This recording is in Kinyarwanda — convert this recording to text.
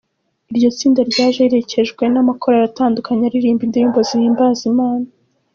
Iryo tsinda ryaje riherekewje n’amakorali atandukanye aririmba indirimbo zihimbaza Imana.